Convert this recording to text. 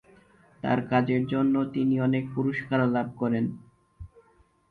তার কাজের জন্য তিনি অনেক পুরস্কারও লাভ করেন।